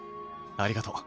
ありがとう。